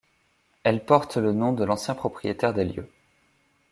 Elle porte le nom de l'ancien propriétaire des lieux.